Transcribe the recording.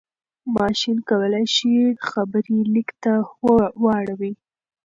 ماشين کولای شي خبرې ليک ته واړوي.